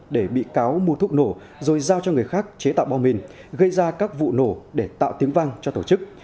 để bị cáo mua thuốc nổ rồi giao cho người khác chế tạo bom mìn gây ra các vụ nổ để tạo tiếng vang cho tổ chức